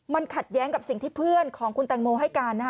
มันขัดแย้งกับสิ่งที่เพื่อนของคุณแตงโมให้การ